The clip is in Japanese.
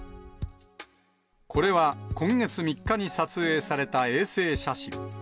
これは今月３日に撮影された衛星写真。